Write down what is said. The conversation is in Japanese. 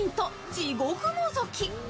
地獄のぞき。